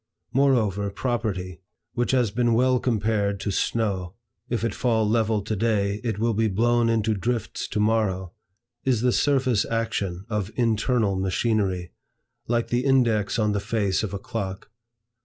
Moreover, property, which has been well compared to snow, "if it fall level to day, it will be blown into drifts to morrow," is the surface action of internal machinery, like the index on the face of a clock.